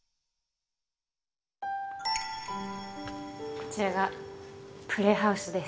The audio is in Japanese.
こちらがプレイハウスです。